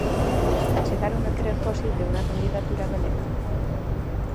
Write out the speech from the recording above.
Chegaron a crer posible unha candidatura galega?